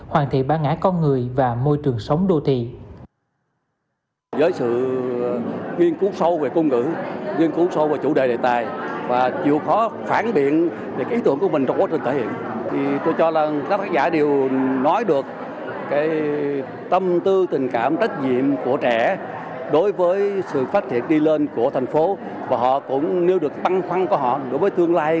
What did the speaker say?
hoàn thiện bã ngã con người và môi trường sống đô thị